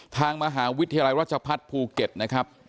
ทางมหาวิทยาลัยราชพัฒน์ภูเก็ตนะครับ